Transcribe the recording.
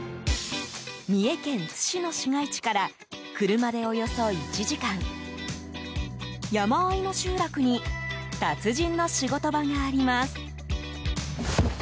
三重県津市の市街地から車でおよそ１時間山あいの集落に達人の仕事場があります。